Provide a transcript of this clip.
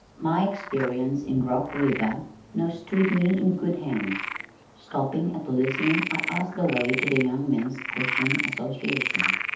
My experience in Rock River now stood me in good hand. Stopping a policeman I asked the way to the Young Men's Christian Association.